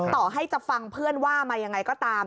ต่อให้จะฟังเพื่อนว่ามายังไงก็ตาม